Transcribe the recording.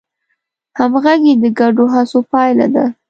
همغږي د ګډو هڅو پایله ده.